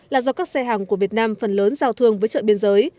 là do các xe hàng của việt nam phần lớn giao thương với chợ biên giới